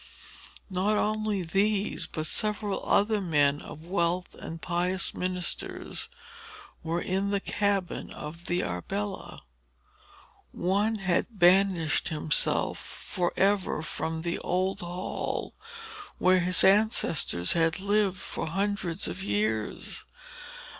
Not only these, but several other men of wealth and pious ministers, were in the cabin of the Arbella. One had banished himself for ever from the old hall where his ancestors had lived for hundreds of years.